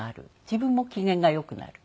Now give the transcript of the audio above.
自分も機嫌がよくなる。